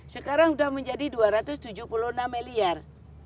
sekarang sudah menjadi rp dua ratus tujuh puluh enam miliar